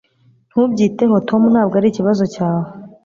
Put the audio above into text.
Ntubyiteho Tom Ntabwo ari ikibazo cyawe